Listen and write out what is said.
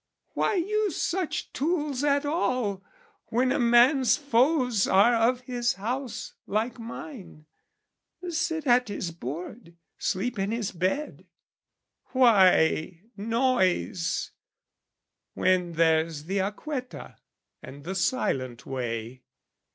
Why use such tools at all When a man's foes are of his house, like mine, Sit at his board, sleep in his bed? Why noise, When there's the acquetta and the silent way?